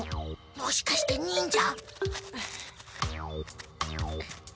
もしかして忍者？